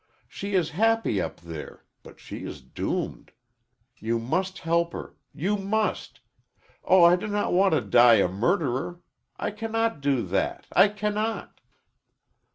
She is happy up there, but she is doomed. You must help her! You must! Oh, I do not want to die a murderer! I cannot do that I cannot!"